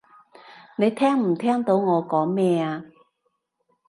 你聽唔聽到我講咩？